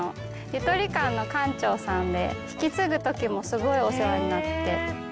ゆとり館の館長さんで、引き継ぐときもすごくお世話になって。